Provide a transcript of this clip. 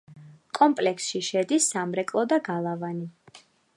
კომპლექსში შედის სამრეკლო და გალავანი.